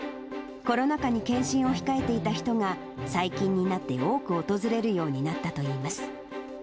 コロナ禍に検診を控えていた人が最近になって多く訪れるようになったといいます。